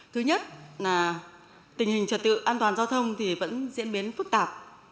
thứ nhất là tình hình trật tự an toàn giao thông thì vẫn diễn biến phức tạp